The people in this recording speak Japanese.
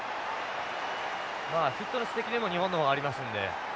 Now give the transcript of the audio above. まあフィットネス的にも日本の方がありますので。